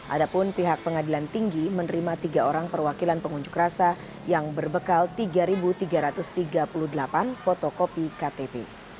ada pun pihak pengadilan tinggi menerima tiga orang perwakilan pengunjuk rasa yang berbekal tiga tiga ratus tiga puluh delapan fotokopi ktp